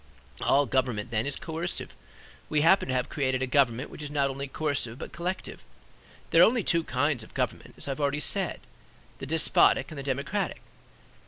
All government then is coercive; we happen to have created a government which is not only coercive; but collective. There are only two kinds of government, as I have already said, the despotic and the democratic.